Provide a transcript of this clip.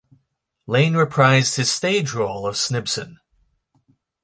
Lane reprised his stage role of Snibson.